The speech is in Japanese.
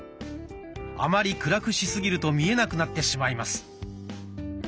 あまり暗くしすぎると見えなくなってしまいます。